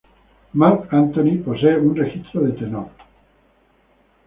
Marc Anthony posee un registro de tenor.